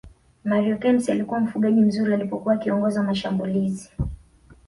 mario kempes alikuwa mfungaji mzuri alipokuwa akiongoza mashambulizi